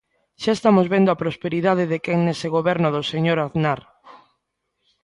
¡Xa estamos vendo a prosperidade de quen nese goberno do señor Aznar!